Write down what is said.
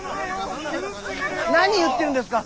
何言ってるんですか。